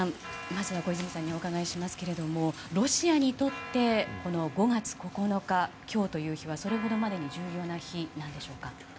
まずは小泉さんにお伺いしますがロシアにとって５月９日、今日という日はそれほどまでに重要な日なのでしょうか。